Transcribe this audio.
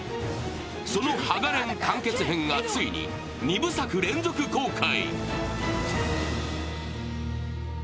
その「ハガレン」完結編がついに２部作連続公開。